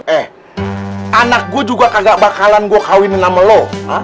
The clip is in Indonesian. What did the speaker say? eh anak gue juga kagak bakalan gue kawinin sama lo